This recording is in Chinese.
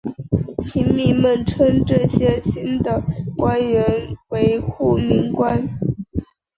平民们称这些新的官员为护民官。